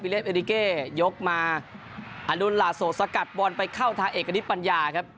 วิเล็บเอรีเก้ยกมาอรุณหลัดสดสกัดบนไปเข้าทางเอกระดิษฐ์ปัญญาครับ